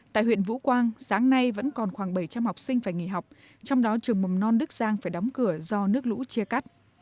tại huyện vũ quang sáng nay vẫn còn khoảng bảy trăm linh học sinh phải nghỉ học trong đó trường mầm non đức giang phải đóng cửa do nước lũ chia cắt